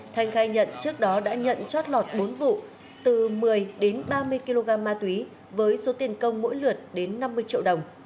thanh khai nhận trước đó đã nhận chót lọt bốn vụ từ một mươi đến ba mươi kg ma túy với số tiền công mỗi lượt đến năm mươi triệu đồng